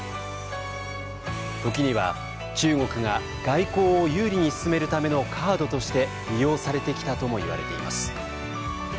時には、中国が外交を有利に進めるためのカードとして利用されてきたともいわれています。